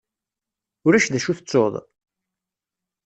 Ulac d acu tettuḍ?